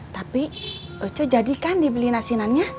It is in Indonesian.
tapi oco jadikan dibeli nasi nanya